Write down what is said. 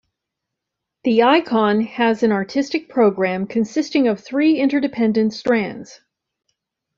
The Ikon has an artistic programme consisting of three interdependent strands.